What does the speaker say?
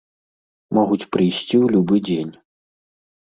Могуць прыйсці ў любы дзень.